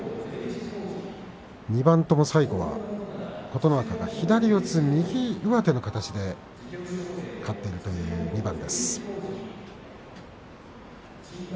２番とも最後は琴ノ若が左四つ右上手の形で勝っているという２番です。